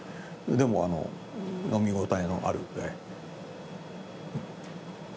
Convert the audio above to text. でも飲み応えもあるので。